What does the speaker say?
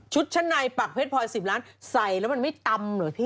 ชั้นในปากเพชรพลอย๑๐ล้านใส่แล้วมันไม่ตำเหรอพี่